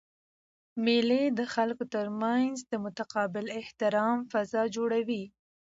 مېلې د خلکو ترمنځ د متقابل احترام فضا جوړوي.